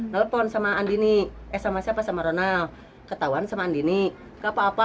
nelfon sama andini eh sama siapa sama ronald ketahuan sama andini gak apa apa